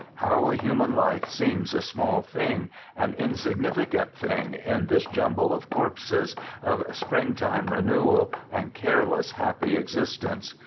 How a human life seems a small thing, an insignificant thing, in this jumble of corpses, of spring time re newal, and careless happy existence